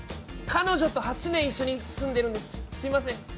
彼女と８年一緒に住んでるんです、すいません。